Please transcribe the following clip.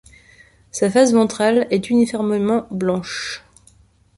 Sa face ventrale est uniformément blanche.